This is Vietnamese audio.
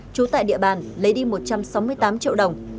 trú tại địa bàn lấy đi một trăm sáu mươi tám triệu đồng